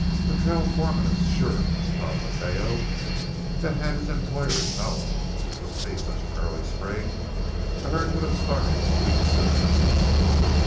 The trail foreman assured Don Mateo that had his employers known that this was to be such an early spring, the herd would have started a week sooner.